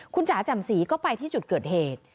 คุณจ๋าแจ่มสีก็ไปที่จุดเกิดเหตุ